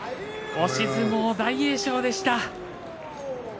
押し相撲、大栄翔でした。